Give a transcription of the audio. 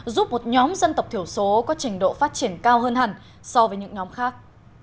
giúp một nhóm dân tộc thiểu số có trình độ phát triển cao hơn hẳn so với những nhóm khác